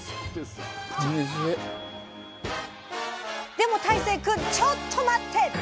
でも大聖くんちょっと待って。